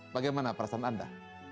bagaimana perasaan anda